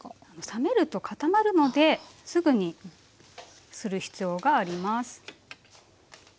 冷めると固まるのですぐにする必要があります。